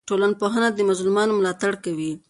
ټولنپوهنه د مظلومانو ملاتړ کوي.